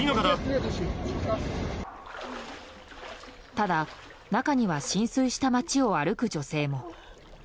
ただ、中には浸水した街を歩く女性も。